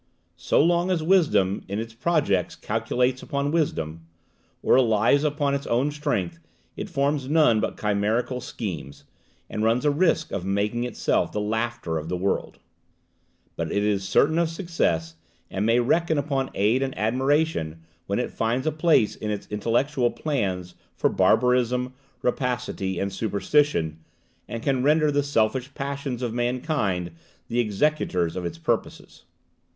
So long as wisdom in its projects calculates upon wisdom, or relies upon its own strength, it forms none but chimerical schemes, and runs a risk of making itself the laughter of the world; but it is certain of success, and may reckon upon aid and admiration when it finds a place in its intellectual plans for barbarism, rapacity, and superstition, and can render the selfish passions of mankind the executors of its purposes.